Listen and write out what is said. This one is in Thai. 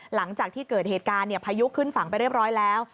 หลังจากที่เกิดเหตุการณ์พายุขึ้นฝั่งไปเรียบร้อยแล้ว